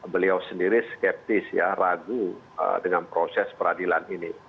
beliau sendiri skeptis ya ragu dengan proses peradilan ini